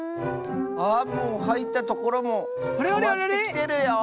あもうはいったところもかわってきてるよ！